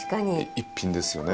逸品ですよね。